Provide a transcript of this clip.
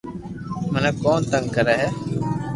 مني ڪون تنگ ڪري